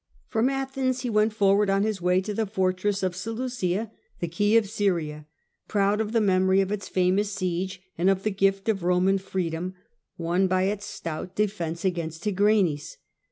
From Athens he went forward on his way to the fortress of Seleucia, the key of Syria, proud of the memory of its xrajan famous siege, and of the gift of Roman free j^yes at dom won by its stout defence against Tigranes.